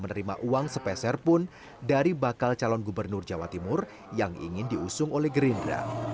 menerima uang sepeser pun dari bakal calon gubernur jawa timur yang ingin diusung oleh gerindra